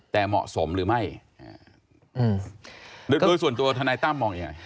แต่เหมาะสมหรือไม่ส่วนตัวทนายตั้มมองยังไง